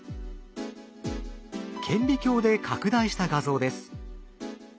顕微鏡で拡大した画像です。